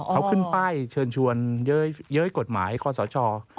เขาขึ้นป้ายเชิญชวนเย้ยกฎหมายคอสช